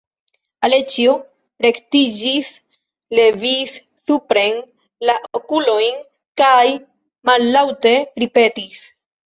Aleĉjo rektiĝis, levis supren la okulojn kaj mallaŭte ripetis.